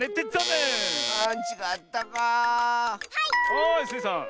はいスイさん。